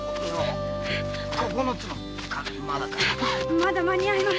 まだ間に合います。